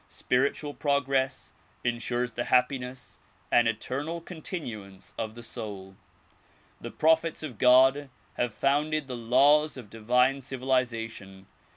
Spiritual progress in sures the happiness and eternal continuance of the soul. The prophets of God have founded the laws of divine civilization.